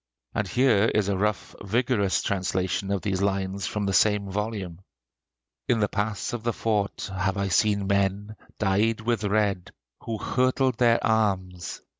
And here is a rough, vigorous translation of these lines from the same volume: "In the pass of the fort have I seen men, dyed with red, who hurtled their arms....